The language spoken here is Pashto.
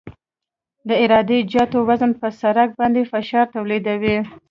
د عراده جاتو وزن په سرک باندې فشار تولیدوي